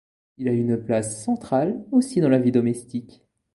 Il a une place centrale aussi dans la vie domestique.